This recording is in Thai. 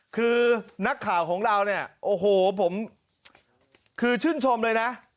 คือนักข่าวของเราเนี่ยโอ้โหผมคือชื่นชมเลยนะ